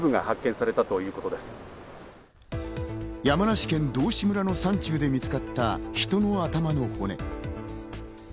山梨県道志村の山中で見つかった人の頭の骨。